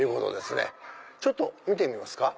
ちょっと見てみますか。